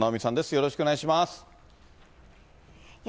よろしくお願いします。